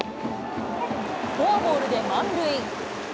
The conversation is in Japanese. フォアボールで満塁。